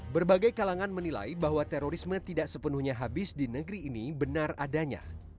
berbagai kalangan menilai bahwa terorisme tidak sepenuhnya habis di negeri ini benar adanya